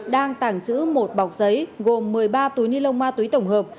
đang tàng trữ một bọc giấy gồm một mươi ba túi ni lông ma túy tổng hợp